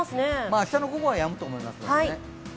明日の午後はやむと思いますけれどもね。